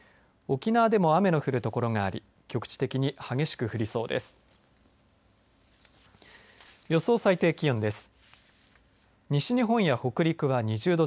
沖縄でも雨の降る所があり局地的に激しく降りそうです。